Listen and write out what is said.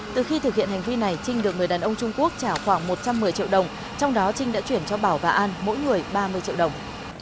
từ khi thực hiện hành vi này trinh được người đàn ông trung quốc trả khoảng một trăm một mươi triệu đồng trong đó trinh đã chuyển cho bảo và an mỗi người ba mươi triệu đồng